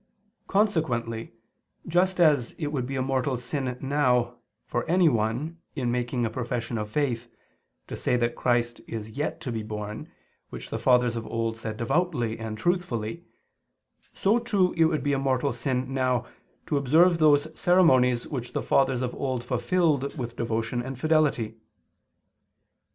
Consequently, just as it would be a mortal sin now for anyone, in making a profession of faith, to say that Christ is yet to be born, which the fathers of old said devoutly and truthfully; so too it would be a mortal sin now to observe those ceremonies which the fathers of old fulfilled with devotion and fidelity.